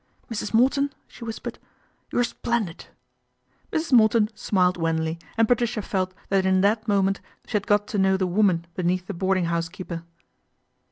" Mrs. Morton," she whispered, " you are splendid." Mrs. Morton smiled wanly, and Patricia felt that in that moment she had got to know the woman beneath the boarding house keeper.